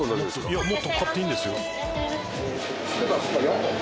いやもっと買っていいんですよ。